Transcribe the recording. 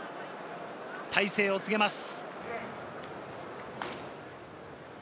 大勢を告げます。